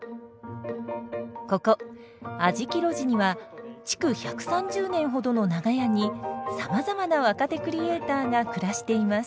ここあじき路地には築１３０年ほどの長屋にさまざまな若手クリエーターが暮らしています。